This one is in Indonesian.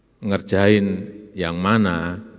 bapak ibu ngerjain yang mana